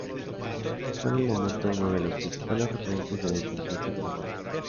Fue en el momento uno de los principales referentes de la inteligencia paraguaya.